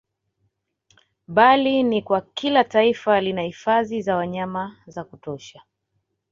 Bali ni kwa kila taifa lina hifadhi za wanyama za kutosha